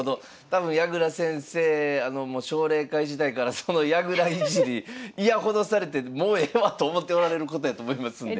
多分矢倉先生奨励会時代からその矢倉いじり嫌ほどされてもうええわと思っておられることやと思いますんで。